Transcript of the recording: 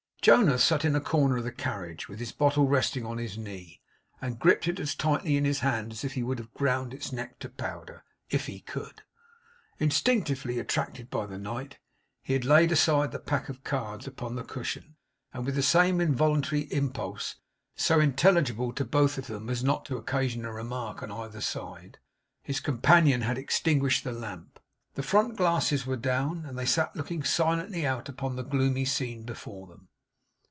Jonas sat in a corner of the carriage with his bottle resting on his knee, and gripped as tightly in his hand as if he would have ground its neck to powder if he could. Instinctively attracted by the night, he had laid aside the pack of cards upon the cushion; and with the same involuntary impulse, so intelligible to both of them as not to occasion a remark on either side, his companion had extinguished the lamp. The front glasses were down; and they sat looking silently out upon the gloomy scene before them.